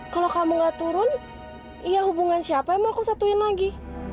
kalau kamu tidak turun ya hubungan siapa yang mau aku satuin lagi